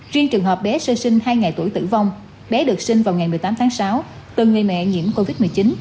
riêng trường hợp bé sơ sinh hai ngày tuổi tử vong bé được sinh vào ngày một mươi tám tháng sáu từ người mẹ nhiễm covid một mươi chín